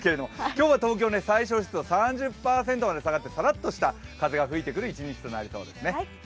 今日は東京、最小湿度３０％まで下がってさらっとした風が吹いてくる一日となりそうですね。